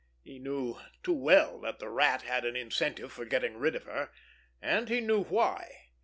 He knew too well that the Rat had an incentive for getting rid of her. And he knew why.